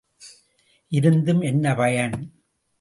இருந்தும் என்ன பயன்!